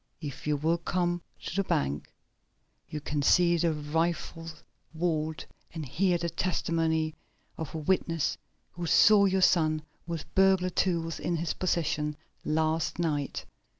"If you will come to the bank you can see the rifled vault, and hear the testimony of a witness who saw your son with burglar tools in his possession last night.